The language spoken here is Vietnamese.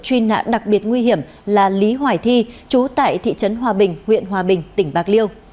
truy nạn đặc biệt nguy hiểm là lý hoài thi chú tại thị trấn hòa bình huyện hòa bình tỉnh bạc liêu